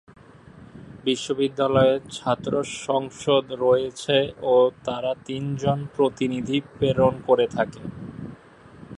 বিশ্ববিদ্যালয়ের ছাত্র সংসদ রয়েছে ও তারা তিনজন প্রতিনিধি প্রেরণ করে থাকে।